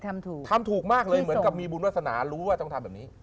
ทำถูกทำถูกมากเลยเหมือนกับมีบุญวาสนารู้ว่าต้องทำแบบนี้